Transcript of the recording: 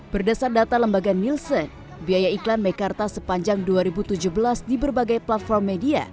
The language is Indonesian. berdasar data lembaga nielsen biaya iklan mekarta sepanjang dua ribu tujuh belas di berbagai platform media